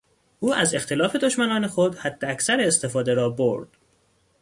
او از اختلاف دشمنان خود حداکثر استفاده را برد.